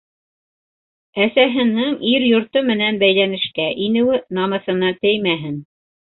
Әсәһенең ир йорто менән бәйләнешкә инеүе намыҫына теймәһен.